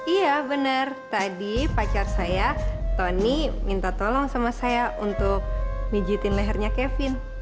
iya benar tadi pacar saya tony minta tolong sama saya untuk mijitin lehernya kevin